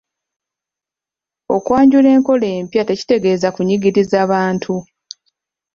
Okwanjula enkola empya tekitegeeza kunyigiriza Bantu.